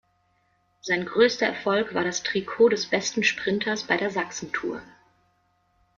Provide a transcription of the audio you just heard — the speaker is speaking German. Sein größter Erfolg war das Trikot des besten Sprinters bei der Sachsen-Tour.